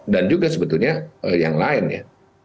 dan juga sebetulnya yang lain ya